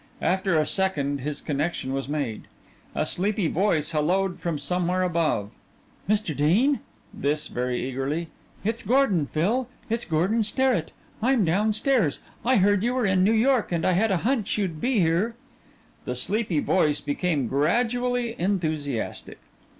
After a second his connection was made; a sleepy voice hello'd from somewhere above. "Mr. Dean?" this very eagerly "it's Gordon, Phil. It's Gordon Sterrett. I'm down stairs. I heard you were in New York and I had a hunch you'd be here." The sleepy voice became gradually enthusiastic.